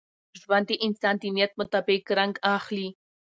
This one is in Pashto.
ژوند د انسان د نیت مطابق رنګ اخلي.